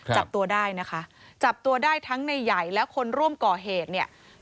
จับตัวได้นะคะจับตัวได้ทั้งในใหญ่และคนร่วมก่อเหตุเนี่ย